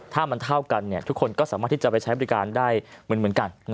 ถ้ามันเท่ากันทุกคนก็สามารถที่จะไปใช้บริการได้เหมือนกัน